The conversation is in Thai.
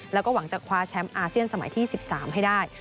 แล้วก็หวังจะคว้าแชมป์อาเซียนสมัยที่๑๓ให้ได้